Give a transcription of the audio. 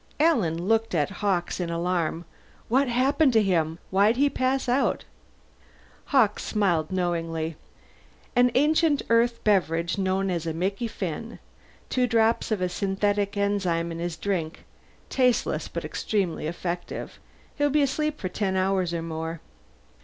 Alan looked at Hawkes in alarm. "What happened to him? Why'd he pass out?" Hawkes smiled knowingly. "An ancient Earth beverage known as the Mickey Finn. Two drops of a synthetic enzyme in his drink; tasteless, but extremely effective. He'll be asleep for ten hours or more."